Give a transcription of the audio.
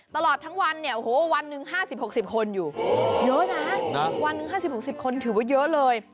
ตลอดทั้งวันเนี่ยโอ้โหวันหนึ่ง๕๐๖๐คนอยู่เยอะนะวันหนึ่ง๕๐๖๐คนถือว่าเยอะเลย